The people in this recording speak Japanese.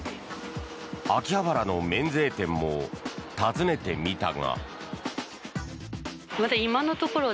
秋葉原の免税店も訪ねてみたが。